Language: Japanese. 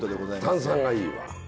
炭酸がいいわ。